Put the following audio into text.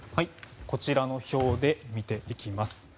こちらの表で見ていきます。